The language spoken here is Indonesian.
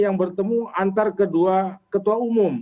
yang bertemu antara kedua ketua umum